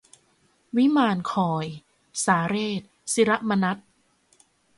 วิมานคอย - สาเรส ศิระมนัส